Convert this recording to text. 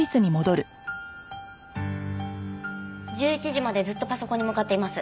１１時までずっとパソコンに向かっています。